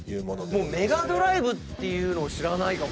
メガドライブっていうのを知らないかも。